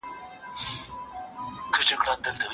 پر وطن يې جوړه كړې كراري وه